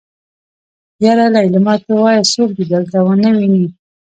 يره ليلما ته وايه څوک دې دلته ونه ويني.